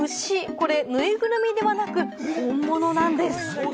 これ、ぬいぐるみではなく本物なんです。